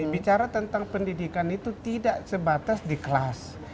bicara tentang pendidikan itu tidak sebatas di kelas